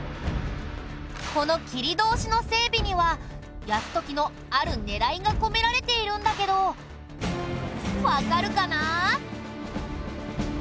この切通の整備には泰時のある狙いが込められているんだけどわかるかな？